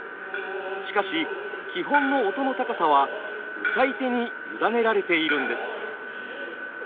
しかし基本の音の高さは謡い手に委ねられているんです。